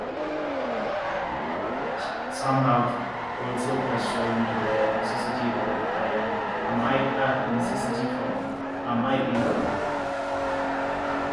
Some have also questioned the necessity for Am I Evil?